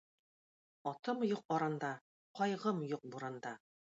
Атым юк аранда - кайгым юк буранда.